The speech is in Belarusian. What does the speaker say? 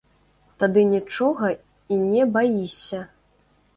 Тады нічога і не баішся.